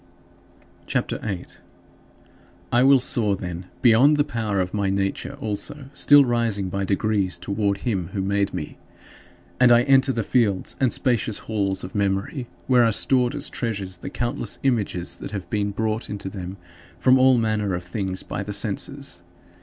CHAPTER VIII 12. I will soar, then, beyond this power of my nature also, still rising by degrees toward him who made me. And I enter the fields and spacious halls of memory, where are stored as treasures the countless images that have been brought into them from all manner of things by the senses.